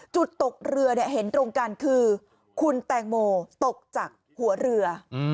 ตกเรือเห็นตรงกันคือคุณแตงโมตกจากหัวเรือ